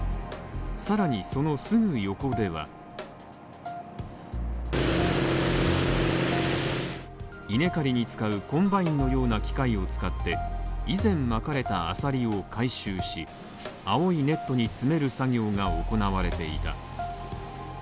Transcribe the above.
更に、そのすぐ横では稲刈りに使うコンバインのような機械を使って以前まかれたアサリを回収し青いネットに詰める作業が行われていた。